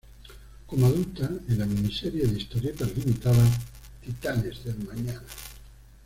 Como adulta, en la miniserie de historietas limitada "Titanes del mañana...